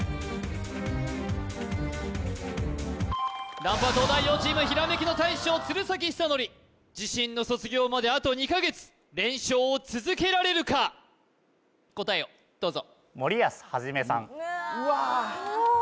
ランプは東大王チームひらめきの大将鶴崎修功自身の卒業まであと２カ月連勝を続けられるか答えをどうぞ・うわ